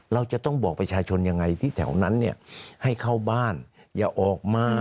เราจะต้องบอกประชาชนยังไงที่แถวนั้นเนี่ยให้เข้าบ้านอย่าออกมา